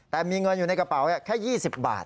แต่มีเงินอยู่ในกระเป๋าแค่๒๐บาท